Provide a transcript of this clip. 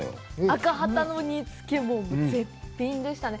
アカハタの煮つけ、絶品でしたね。